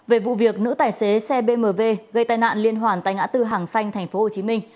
về vụ việc nữ tài xế xe bmw gây tai nạn liên hoàn tại ngã tư hàng xanh tp hcm